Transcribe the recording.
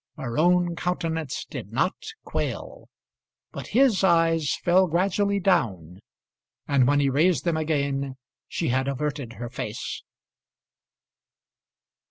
Her own countenance did not quail; but his eyes fell gradually down, and when he raised them again she had averted her face.